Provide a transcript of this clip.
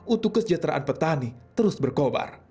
untuk kesejahteraan petani terus berkobar